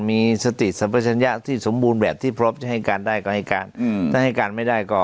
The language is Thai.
มีสติสัมปัชญะที่สมบูรณ์แบบที่พร้อมจะให้การได้ก็ให้การถ้าให้การไม่ได้ก็